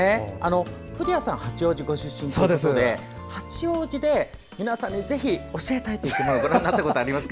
古谷さん、八王子ご出身ということで八王子で皆さんにぜひ教えたいという生き物ご覧になったことありますか？